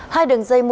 hai đường dây muộn